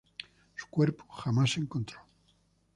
Su cuerpo jamás se encontró.